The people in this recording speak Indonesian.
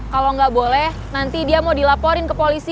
kalau nggak boleh nanti dia mau dilaporin ke polisi